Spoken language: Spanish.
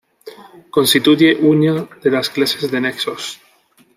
Constituye una de las clases de nexos.